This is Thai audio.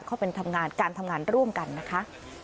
เขาเป็นทำงานการทำงานร่วมกันนะคะ